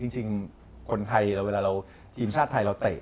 จริงคนไทยเวลาเราทีมชาติไทยเราเตะ